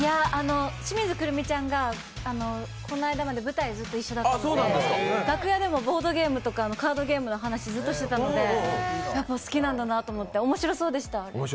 清水くるみちゃんがこの間まで舞台、一緒だったので楽屋でもボードゲームとかカードゲームの話、ずっとしてたので、やっぱ好きなんだなと思って面白そうでした。